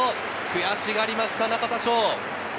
悔しがりました中田翔。